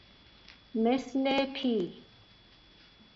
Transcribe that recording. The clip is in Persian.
مثل پیه